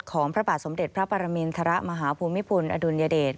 ของพระบาทสมเด็จพระปรมินทรมาหาภูมิภูมิอดูลยเดช